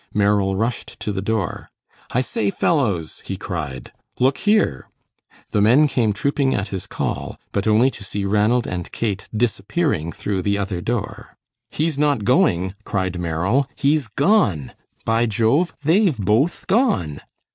Merrill rushed to the door. "I say, fellows," he cried, "look here." The men came trooping at his call, but only to see Ranald and Kate disappearing through the other door. "He's not going," cried Merrill, "he's gone. By Jove! They've both gone."